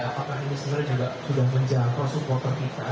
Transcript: apakah ini sebenarnya juga sudah menjangkau supporter kita